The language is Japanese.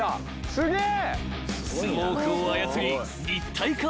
すげえ。